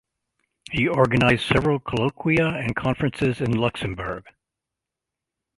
He organized several colloquia and conferences in Luxembourg.